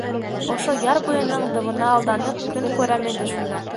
Ошо яр буйының дымына алданып көн күрәм инде шунда.